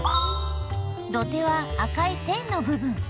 土手は赤い線のぶ分。